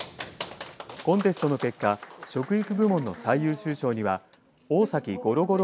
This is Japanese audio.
コンテストの結果食育部門の最優秀賞には大崎ごろごろ